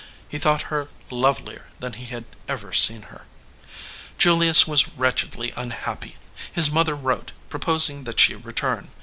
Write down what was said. He thought her lovelier than he had ever seen her. Julius was wretchedly unhappy. His mother wrote, proposing that she return.